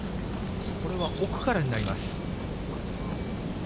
これは奥からになります。